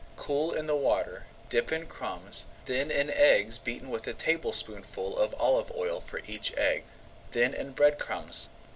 Cool in the water, dip in crumbs, then in eggs beaten with a tablespoonful of olive oil for each egg, then in bread crumbs.